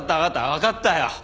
わかったよ！